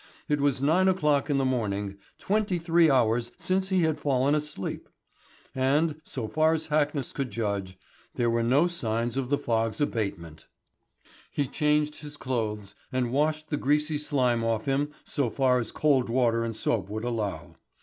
It was nine o'clock in the morning, twenty three hours since he had fallen asleep! And, so far as Hackness could judge, there were no signs of the fog's abatement. He changed his clothes and washed the greasy slime off him so far as cold water and soap would allow.